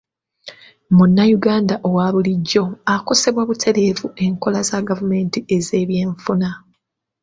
Munnayuganda owabulijjo akosebwa butereevu enkola za gavumenti ez'ebyenfuna.